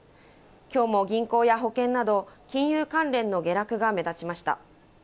今日も銀行や保険など金融関連の下落が目立ちました。